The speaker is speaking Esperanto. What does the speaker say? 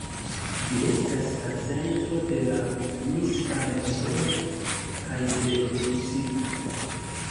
Ĝi estas la centro de la minska regiono kaj de distrikto.